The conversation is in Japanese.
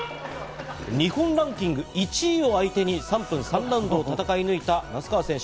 日本ランキング１位を相手に、３分３ラウンドを戦い抜いた那須川選手。